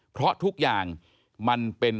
เพราะทุกอย่างมันเป็น